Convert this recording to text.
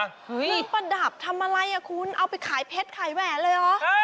เห้ยเครื่องประดับทำอะไรอ่ะคุณเอาไปขายเพชรขายแหวนเลยอ่ะ